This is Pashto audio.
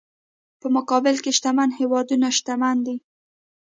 په مقابل کې شتمن هېوادونه شتمن دي.